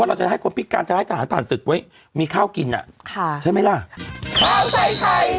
ว่าเราจะให้คนพิการจะให้ทหารผ่านศึกไว้มีข้าวกินน่ะค่ะ